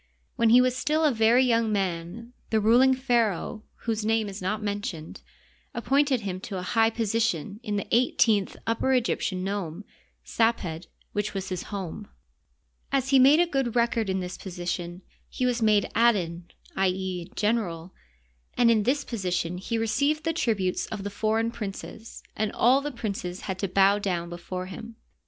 When he was still a very young man the ruling pharaoh, whose name is not mentioned, appointed him to a high position in the eighteenth Upper Egyptian nome {Saped)^ which was his home. As he made a good Digitized byCjOOQlC 84 HISTORY OF EGYPT, record in this position he was made aden (i. e., general), and in this position he received the tributes of the foreign princes and all the princes had to bow down before him.